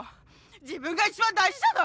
自分が一番大事じゃない？